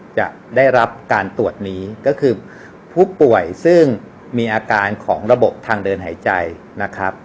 จะได้รับการตรวจนี้ก็คือผู้ป่วยซึ่งมีอาการของระบบทางเดินหายใจนะครับ